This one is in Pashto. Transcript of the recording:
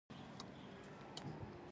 غوځار شو او نقاب یې له مخه ایسته شو.